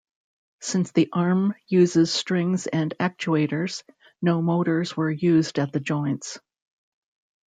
Since the arm uses strings and actuators, no motors were used at the joints.